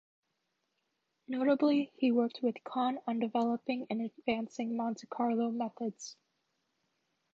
Notably, he worked with Kahn on developing and advancing Monte Carlo methods.